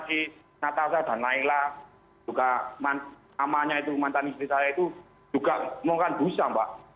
si natasa dan laila juga namanya itu mantan istri saya itu juga mau kan busa mbak